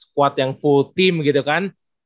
squad yang full team gitu kan